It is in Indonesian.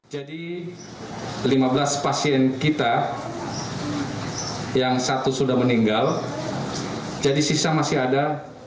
jadi lima belas pasien kita yang satu sudah meninggal jadi sisa masih ada empat belas